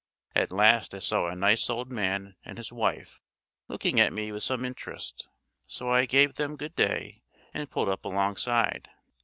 At last I saw a nice old man and his wife looking at me with some interest, so I gave them good day and pulled up alongside.